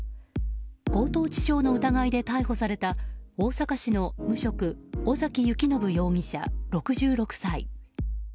強盗致傷の疑いで逮捕された大阪市の無職尾崎行信容疑者、６６歳。